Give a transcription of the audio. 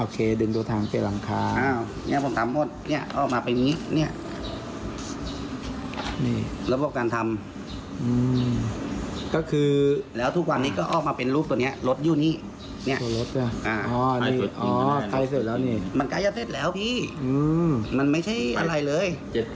เยอะแล้วพี่มันไม่ใช่อะไรเลย